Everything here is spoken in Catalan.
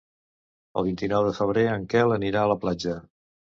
El vint-i-nou de febrer en Quel anirà a la platja.